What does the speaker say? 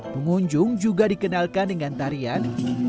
pengunjung juga dikenalkan dengan tarian